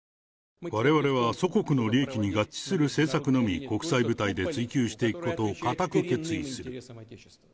われわれは祖国の利益に合致する政策のみ、国際舞台で追求していくことを固く決意する。